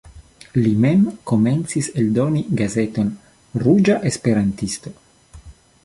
Li mem komencis eldoni gazeton "Ruĝa Esperantisto".